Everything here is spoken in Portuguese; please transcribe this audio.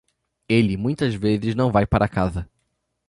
Ele muitas vezes não vai para casa